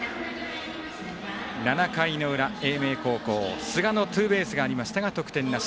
７回の裏、英明高校寿賀のツーベースがありましたが得点なし。